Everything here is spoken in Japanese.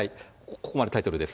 ここまでタイトルです。